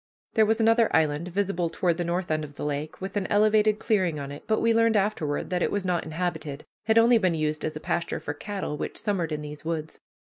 There was another island visible toward the north end of the lake, with an elevated clearing on it; but we learned afterward that it was not inhabited, had only been used as a pasture for cattle which summered in these woods.